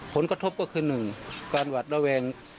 ผลกระทบก็คือ๑การหวัดระแวง